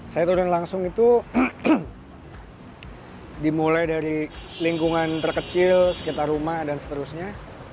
saya turun langsung itu dimulai dari lingkungan terkecil sekitar rumah dan seterusnya